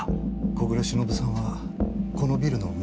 小暮しのぶさんはこのビルの持ち主ですね？